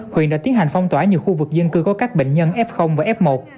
huyện đã tiến hành phong tỏa nhiều khu vực dân cư có các bệnh nhân f và f một